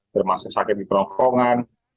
termasuk sakit di perongkongan